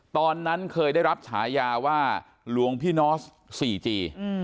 ตอนนั้นเคยได้รับฉายาว่าหลวงพี่นอสสี่จี